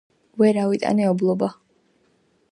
ვერ ავიტანე ობლიბა